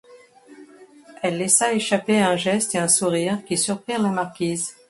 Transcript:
Elle laissa échapper un geste et un sourire qui surprirent la marquise.